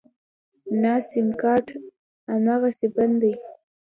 نه سيمکارټ امغسې بند دی.